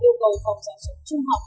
yêu cầu phòng giáo dục trung học